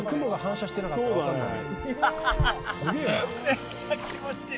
めっちゃ気持ちいい！